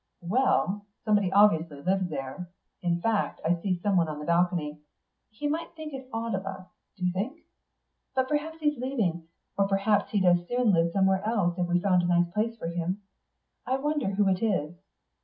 "Well, someone obviously lives there; in fact, I see someone on the balcony. He might think it odd of us, do you think?" "But perhaps he's leaving. Or perhaps he'd as soon live somewhere else, if we found a nice place for him. I wonder who it is?"